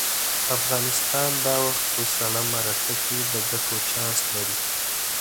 افغانستان دا وخت په سړه مرکه کې د ګټو چانس لري.